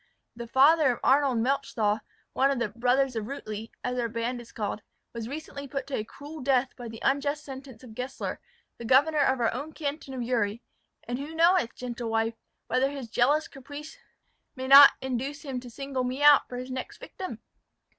The father of Arnold Melchthal, one of the 'Brothers of Rutli,' as our band is called, was recently put to a cruel death by the unjust sentence of Gessler, the governor of our own canton of Uri; and who knoweth, gentle wife, whether his jealous caprice may not induce him to single me out for his next victim?"